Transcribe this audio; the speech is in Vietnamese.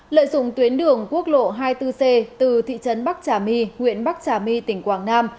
lợi dụng tuyến đường quốc lộ hai mươi bốn c từ thị trấn bắc trà my huyện bắc trà my tỉnh quảng nam